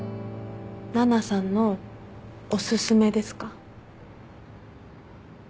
奈々さんのおすすめですか？